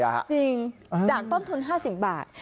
จริงจากต้นทุน๕๐บาท